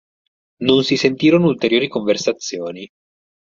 Non si sentirono ulteriori conversazioni.